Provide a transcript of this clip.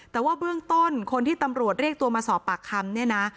แต่ว่าเบื้องต้นคนที่ตำรวจเรียกตัวมาสอบปากคำเนี่ยนะ